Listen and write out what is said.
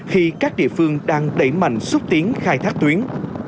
khi các địa phương đang đẩy mạnh xúc tiến khai thác tuyến